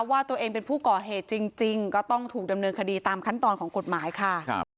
ว่าตัวเองเป็นผู้ก่อเหตุจริงก็ต้องถูกดำเนินคดีตามขั้นตอนของกฎหมายค่ะ